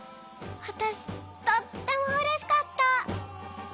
わたしとってもうれしかった。